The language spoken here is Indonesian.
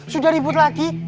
sudah ribut lagi